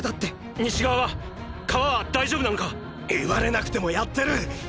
西側は⁉川は大丈夫なのか⁉言われなくてもやってる！！